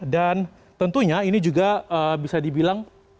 dan tentunya ini juga bisa dibilang